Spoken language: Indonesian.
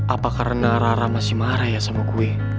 apa karena rara masih marah ya sama gue